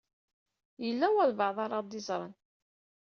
Yella walebɛaḍ ara ɣ-d-iẓṛen.